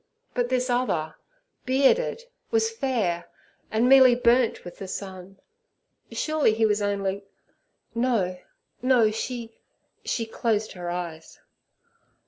But this other, bearded, was fair and merely burnt with the sun. Surely he was only—No! no! she—she closed her eyes.